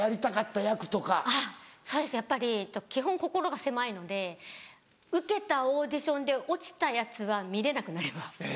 やっぱり基本心が狭いので受けたオーディションで落ちたやつは見れなくなります。